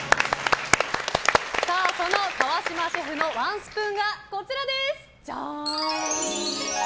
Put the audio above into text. その川島シェフのワンスプーンがこちらです。